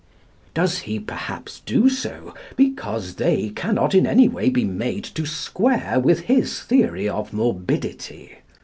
Does he perhaps do so because they cannot in any way be made to square with his theory of morbidity?